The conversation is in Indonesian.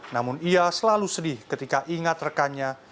namun ia selalu sedih ketika ingat rekannya